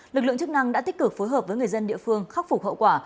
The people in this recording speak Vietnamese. lực lượng chức năng đã tích cực phối hợp với người dân địa phương khắc phục hậu quả